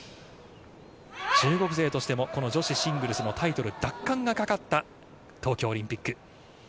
中国勢としても女子シングルスのタイトル奪還がかかった東京オリンピック。